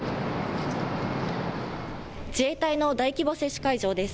自衛隊の大規模接種会場です。